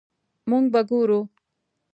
مونږ به ګورو